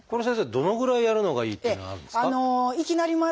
どのぐらいやるのがいいっていうのはあるんですか？